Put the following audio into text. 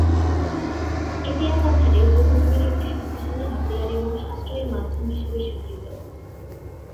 এটি একাধারে যোগাযোগের একটি শক্তিশালী হাতিয়ার এবং সাশ্রয়ী মাধ্যম হিসেবে স্বীকৃত।